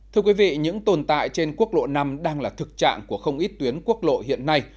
thưa quý vị những tồn tại trên quốc lộ năm đang là thực trạng của không ít tuyến quốc lộ hiện nay